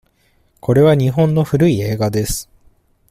これは日本の古い映画です。